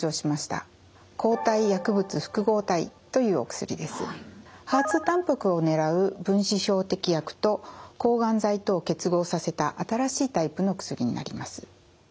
２たんぱくを狙う分子標的薬と抗がん剤とを結合させた新しいタイプの薬になります。